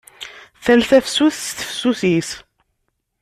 Tal tafsut s tefsut-is!